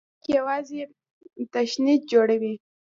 دا خلک یوازې تشنج جوړوي.